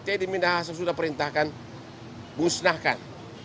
teddy minda hasan sudah perintahkan musnahkan